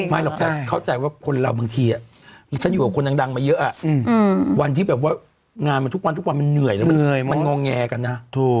ไม่หรอกแต่เข้าใจว่าคนเราบางทีฉันอยู่กับคนดังมาเยอะวันที่แบบว่างานมันทุกวันทุกวันมันเหนื่อยแล้วมันงอแงกันนะ